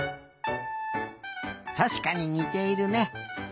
たしかににているね。